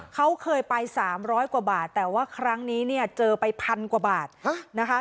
เขาเคยไป๓๐๐กว่าบาทแต่ว่าครั้งนี้เนี่ยเจอไปพันกว่าบาทนะคะ